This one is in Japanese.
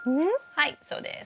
はいそうです。